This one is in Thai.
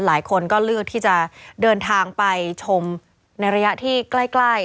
หลายคนก็เลือกที่จะเดินทางไปชมในระยะที่ใกล้